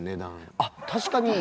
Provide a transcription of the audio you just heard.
あっ確かに。